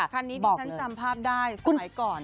คันนี้ดิฉันจำภาพได้สมัยก่อน